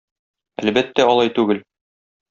Әлбәттә, алай түгел.